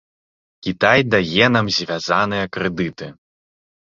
Кітай дае нам звязаныя крэдыты.